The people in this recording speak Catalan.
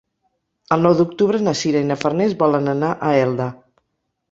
El nou d'octubre na Sira i na Farners volen anar a Elda.